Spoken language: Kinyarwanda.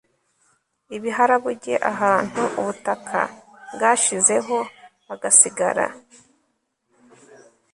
ibiharabuge ahantu ubutaka bwashizeho hagasigara